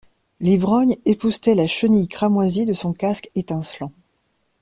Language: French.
L'ivrogne époussetait la chenille cramoisie de son casque étincelant.